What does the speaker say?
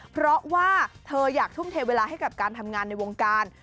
เพราะว่าเธออยากทุ่มเทเวลาให้กับการทำงานในวงการ